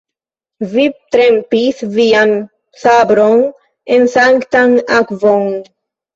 vi trempis vian sabron en sanktan akvon.